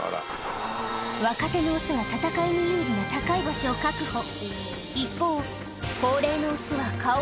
若手の雄は戦いに有利な高い場所を確保。